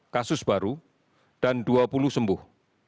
sembilan puluh delapan kasus baru dan dua puluh sembuh